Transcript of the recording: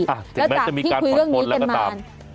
และจากที่คุยเรื่องนี้กันมา